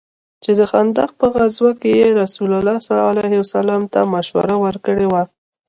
چې د خندق په غزوه كښې يې رسول الله ته مشوره وركړې وه.